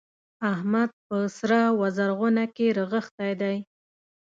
احمد په سره و زرغونه کې رغښتی دی.